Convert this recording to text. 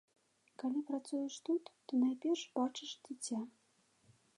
Калі працуеш тут, то найперш бачыш дзіця.